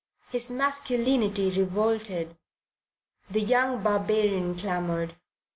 His masculinity revolted. The young barbarian clamoured.